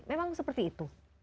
memang seperti itu